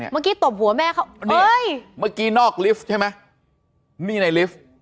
เมื่อกี้ตบหัวแม่เขาเมื่อกี้นอกลิฟท์ใช่ไหมนี่ในลิฟท์